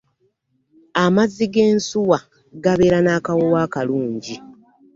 Amazzi ge nsuwa gabeera nakawoowo akalungi.